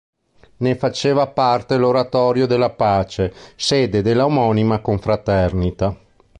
Ne faceva parte l'Oratorio della Pace, sede della omonima confraternita.